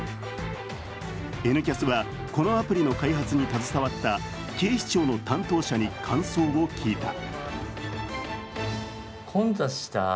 「Ｎキャス」は、このアプリの開発に携わった警視庁の担当者に感想を聞いた。